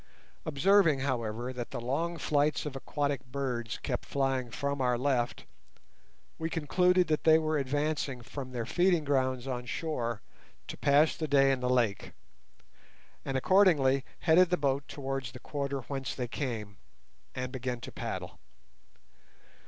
Observing, however, that the long flights of aquatic birds kept flying from our left, we concluded that they were advancing from their feeding grounds on shore to pass the day in the lake, and accordingly headed the boat towards the quarter whence they came, and began to paddle.